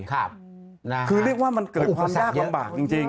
คือเรียกว่ามันเกิดความยากลำบากจริง